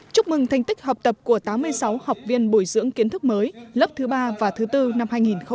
chúc mừng thành tích học tập của tám mươi sáu học viên bồi dưỡng kiến thức mới lớp thứ ba và thứ bốn năm hai nghìn hai mươi